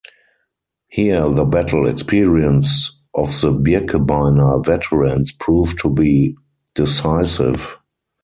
Here the battle experience of the Birkebeiner veterans proved to be decisive.